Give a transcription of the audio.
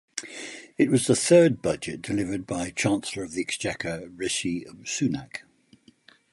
It was the third budget delivered by Chancellor of the Exchequer Rishi Sunak.